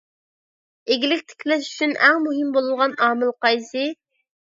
ئىگىلىك تىكلەش ئۈچۈن ئەڭ مۇھىم بولغان ئامىل قايسى؟